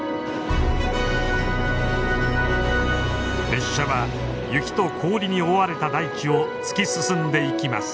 列車は雪と氷に覆われた大地を突き進んでいきます。